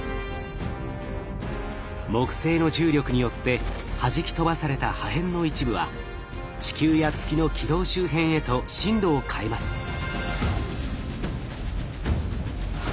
木星の重力によってはじき飛ばされた破片の一部は地球や月の軌道周辺へと進路を変えます。